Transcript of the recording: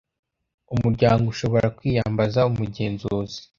Umuryango ushobora kwiyambaza umugenzuzi